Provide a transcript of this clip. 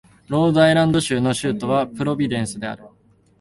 ロードアイランド州の州都はプロビデンスである